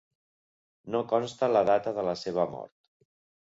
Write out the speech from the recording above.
No consta la data de la seva mort.